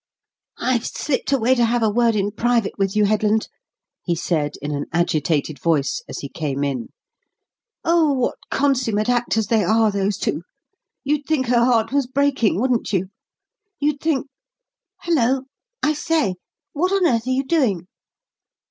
"I've slipped away to have a word in private with you, Headland," he said, in an agitated voice, as he came in. "Oh, what consummate actors they are, those two. You'd think her heart was breaking, wouldn't you? You'd think Hullo! I say! What on earth are you doing?"